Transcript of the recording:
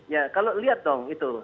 ya kalau lihat dong itu